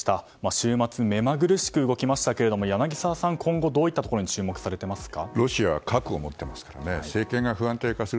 週末、目まぐるしく動きましたけれども柳澤さんは今後どういったところに注目されていますか。